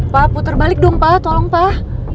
pak putar balik dong pak tolong pak